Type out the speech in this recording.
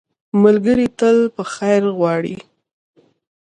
ملګری تل په خیر غواړي